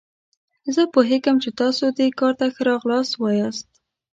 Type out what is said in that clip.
زه پوهیږم چې تاسو دې کار ته ښه راغلاست وایاست.